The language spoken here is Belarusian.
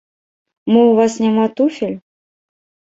Мо ў вас няма туфель?